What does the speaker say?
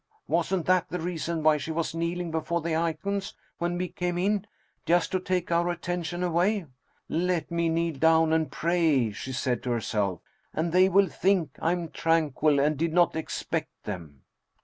wasn't that the reason why she was kneeling before the icons, when we came in, just to take our attention away? ' Let me kneel down and pray/ she said to herself, ' and they will think I am tranquil and did not expect them